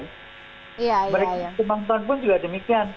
mereka yang menonton pun juga demikian